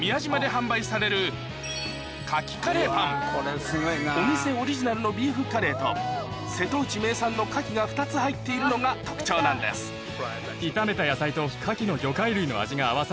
販売されるお店オリジナルのビーフカレーと瀬戸内名産の牡蠣が２つ入っているのが特徴なんです炒めた。